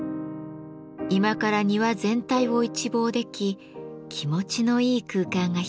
居間から庭全体を一望でき気持ちのいい空間が広がります。